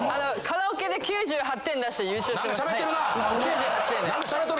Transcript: カラオケで９８点出して優勝しました。